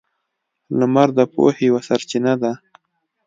• لمر د پوهې یوه سرچینه ده.